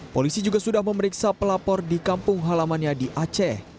polisi juga sudah memeriksa pelapor di kampung halamannya di aceh